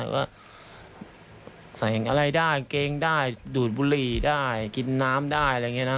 ว่าใส่อะไรได้กางเกงได้ดูดบุหรี่ได้กินน้ำได้อะไรอย่างนี้นะ